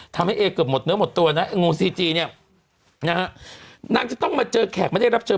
ทำให้เอเกือบหมดเนื้อหมดตัวนะไอโงซีจีเนี่ยนะฮะนางจะต้องมาเจอแขกไม่ได้รับเจอ